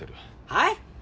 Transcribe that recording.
はい！？